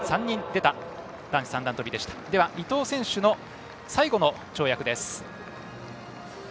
では伊藤選手の最後の跳躍です。